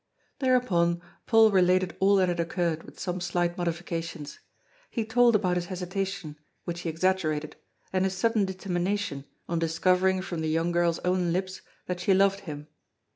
Thereupon, Paul related all that had occurred with some slight modifications. He told about his hesitation, which he exaggerated, and his sudden determination on discovering from the young girl's own lips that she loved him.